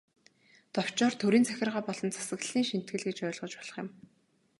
Товчоор, төрийн захиргаа болон засаглалын шинэтгэл гэж ойлгож болох юм.